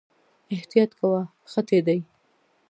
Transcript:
احتياط کوه، خټې دي